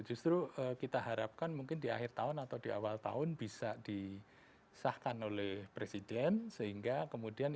justru kita harapkan mungkin di akhir tahun atau di awal tahun bisa disahkan oleh presiden sehingga kemudian